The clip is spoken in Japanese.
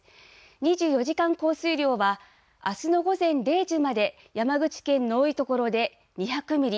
２４時間降水量は、あすの午前０時まで、山口県の多い所で２００ミリ。